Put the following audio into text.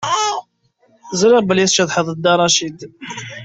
Ẓriɣ belli tcedhaḍ Dda Racid.